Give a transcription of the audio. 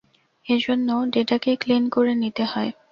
এজন্য ডেটাকে ক্লিন করে নিতে হয়।